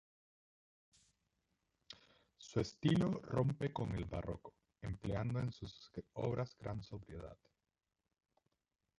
Su estilo rompe con el barroco, empleando en sus obras gran sobriedad.